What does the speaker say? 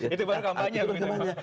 itu baru kampanye